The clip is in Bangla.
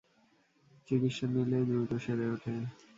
চিকিৎসা নিলে দ্রুত সেরে ওঠে।